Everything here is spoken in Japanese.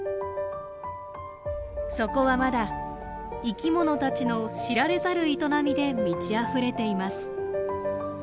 そこはまだ生きものたちの知られざる営みで満ちあふれています。